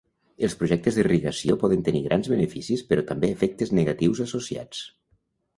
Els projectes d'irrigació poden tenir grans beneficis però també efectes negatius associats.